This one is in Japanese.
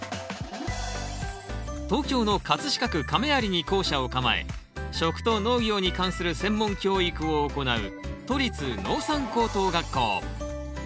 東京の飾区亀有に校舎を構え食と農業に関する専門教育を行う都立農産高等学校。